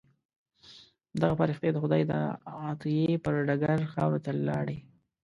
دغه فرښتې د خدای د عطیې پر ډګر خاورو ته لاړې.